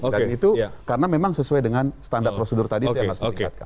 dan itu karena memang sesuai dengan standar prosedur tadi yang harus diingatkan